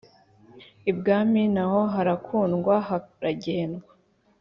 Ibwami na ho harakundwa haragendwa.